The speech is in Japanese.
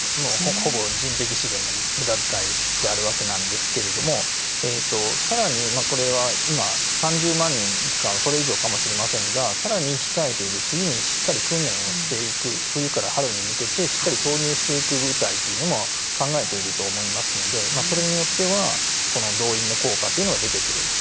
ほぼ人的資源の無駄遣いであるわけなんですけれどもさらに、これは今３０万人かそれ以上かもしれませんがさらに次にしっかり訓練をしていく冬から春に向けてしっかり投入していく部隊というのも考えていると思いますのでそれによってはこの動員の効果というのが出てくる。